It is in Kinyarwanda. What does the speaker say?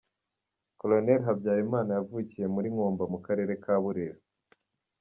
Col Habyarimana yavukiye muri Nkumba mu karere ka Burera.